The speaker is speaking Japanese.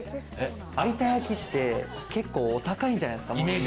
有田焼って結構お高いんじゃないですか？